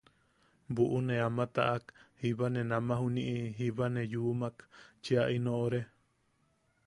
Buʼu ne ama taʼak, jiba ne namaʼa juniʼi... jiba ne juyamak cheʼa ino ore.